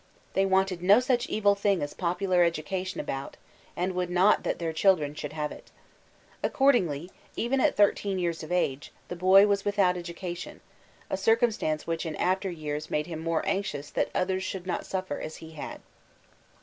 They wanted no such evil thing as popular education about, and would not that their chil dren should have it Accordingly, even at 13 years of age, the boy was without education,« a circumstance which in after years made him more anxious that others should not suffer as he had.